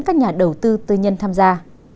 các nhà đầu tư tư nhân tham gia